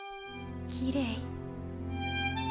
きれい。